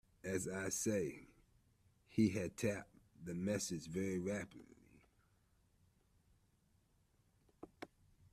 As I say, he had tapped the message very rapidly.